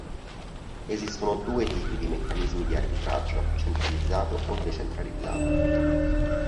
Esistono due tipi di meccanismi di arbitraggio: centralizzato o decentralizzato.